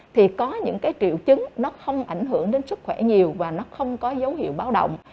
thì có những cái triệu chứng nó không ảnh hưởng đến sức khỏe nhiều và nó không có dấu hiệu báo động